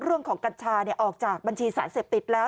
กัญชาออกจากบัญชีสารเสพติดแล้ว